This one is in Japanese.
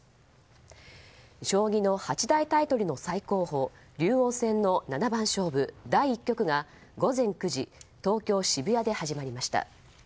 将棋の八大タイトルの最高峰竜王戦の七番勝負第１局が午前９時東京・渋谷で始まりました。